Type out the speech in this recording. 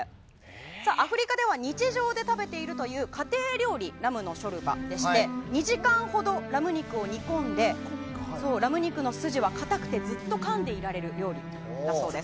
アフリカでは日常で食べているという家庭料理ラムのショルバでして２時間ほどラム肉を煮込んでラム肉のすじは、かたくてずっとかんでいられる料理だそうです。